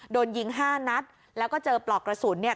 โดนยิงห้านัดแล้วก็เจอปลอกกระสุนเนี่ย